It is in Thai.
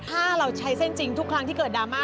ถ้าเราใช้เส้นจริงทุกครั้งที่เกิดดราม่า